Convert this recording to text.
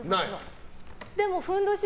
でも、ふんどし。